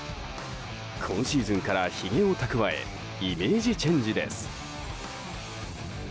今シーズンから、ひげをたくわえイメージチェンジです。